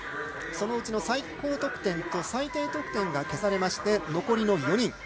そのうちの最高得点と最低得点が消されまして残りの４人。